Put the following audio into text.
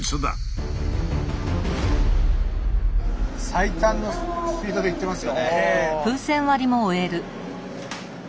最短のスピードでいってますよね。